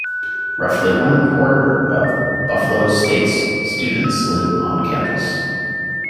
Roughly one-quarter of Buffalo State's students live on campus.